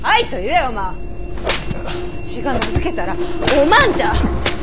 わしが名付けたらお万じゃ！